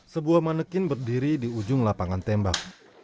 sebuah manekin berdiri di ujung lapangan tembak